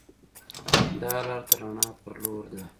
دا لار د رڼا پر لور ده.